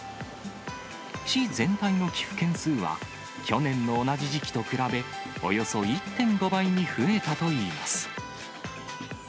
市全体の寄付件数は、去年の同じ時期と比べ、およそ１．５倍に増えたといいます。